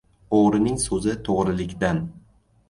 • O‘g‘rining so‘zi to‘g‘rilikdan.